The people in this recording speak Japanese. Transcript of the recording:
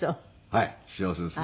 はい幸せですね。